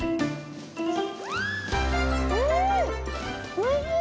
おいしい！